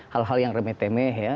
hal hal yang remeh temeh ya